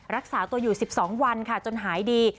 รักษาตัวอยู่๑๒วันค่ะจนหายดี